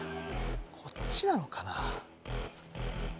こっちなのかな。